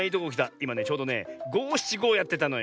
いまねちょうどねごしちごをやってたのよ。